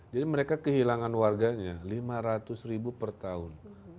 jadi mereka kehilangan warganya lima ratus per tahun